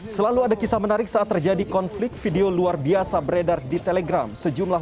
selalu ada kisah menarik saat terjadi konflik video luar biasa beredar di telegram sejumlah